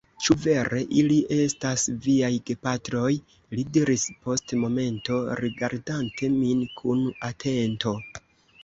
Ĉu vere ili estas viaj gepatroj? li diris post momento, rigardante min kun atento.